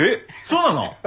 そうなの！？